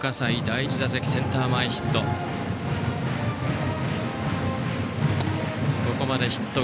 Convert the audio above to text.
第１打席はセンター前ヒット。